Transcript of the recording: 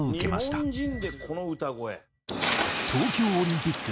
東京オリンピック